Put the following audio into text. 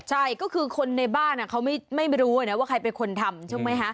ใช่ก็คือคนในบ้านเขาไม่รู้ว่าใครเป็นคนทำ